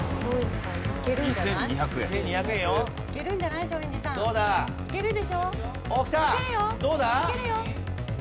いけるよ！